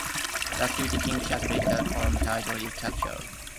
The active "King-Cat" letter column title is "Catcalls".